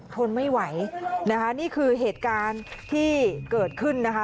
ทนไม่ไหวนะคะนี่คือเหตุการณ์ที่เกิดขึ้นนะคะ